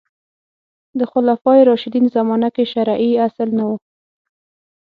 د خلفای راشدین زمانه کې شرعي اصل نه و